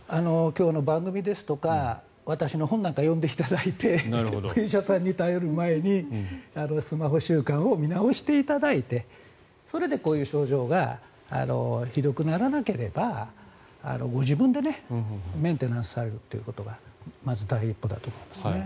今日の番組ですとか私の本なんかを読んでいただいてお医者さんに頼る前にスマホ習慣を見直していただいてそれでこういう症状がひどくならなければご自分でメンテナンスされるということがまず第一歩だと思いますね。